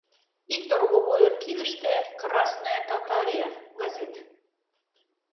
Ик торговойын кидыште «Красная Татария» газет.